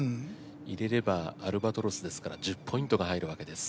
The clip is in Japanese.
入れればアルバトロスですから１０ポイントが入るわけです。